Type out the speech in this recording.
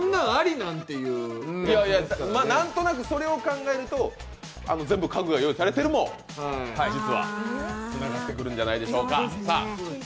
なんとなくそれを考えると、家具が全部用意されてるも実はつながってくるんじゃないでしょうか。